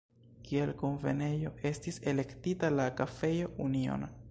Kiel kunvenejo estis elektita la kafejo „Union“.